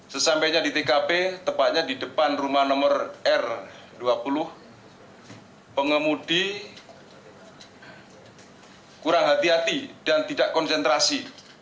sesampainya di tkp tepatnya di depan rumah nomor r dua puluh pengemudi kurang hati hati dan tidak konsentrasi